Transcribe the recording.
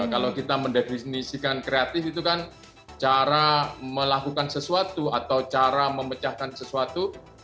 kalau kita mendefinisikan kreatif itu kan cara melakukan sesuatu atau cara memecahkan sesuatu